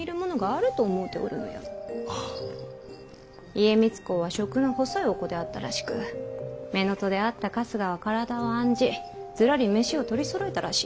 家光公は食の細いお子であったらしく乳母であった春日は体を案じずらり飯を取りそろえたらしいぞ。